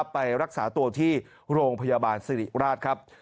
ไปรักษาตัวที่โรงพยาบาลสิริราชครับ